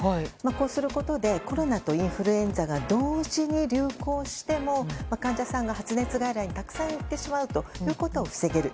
こうすることでコロナとインフルエンザが同時に流行しても患者さんが発熱外来にたくさん行ってしまうことを防げる。